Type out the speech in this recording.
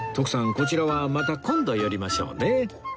こちらはまた今度寄りましょうね